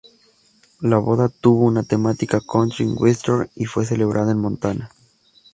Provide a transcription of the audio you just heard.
La boda tuvo una temática country-western y fue celebrada en Montana.